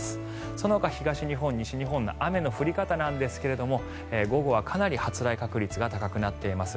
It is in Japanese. そのほか東日本、西日本の雨の降り方なんですが午後はかなり発雷確率が高くなっています。